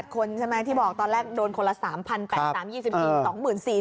๘คนใช่ไหมที่บอกตอนแรกโดนคนละ๓๐๐๐